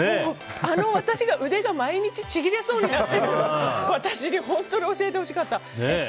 腕が毎日ちぎれそうになっている私に本当に教えてほしかった。